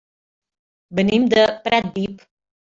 Venim de Pratdip.